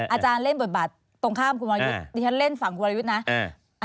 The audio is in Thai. อาจารย์เล่นบทบาทตรงข้ามคุณวรยุทธ์ดิฉันเล่นฝั่งคุณวรยุทธ์นะ